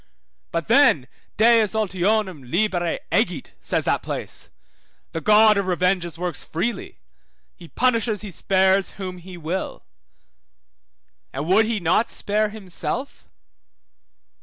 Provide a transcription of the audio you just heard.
But then Deus ultionum libere egit (says that place), the God of revenges works freely, he punishes, he spares whom he will. And would he not spare himself?